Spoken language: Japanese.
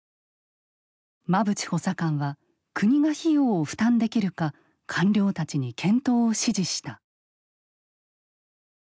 馬淵補佐官は国が費用を負担できるか官僚たちに検討を指示した。